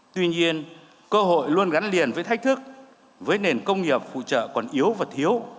tuy nhiên cơ hội luôn gắn liền với thách thức với nền công nghiệp phụ trợ còn yếu và thiếu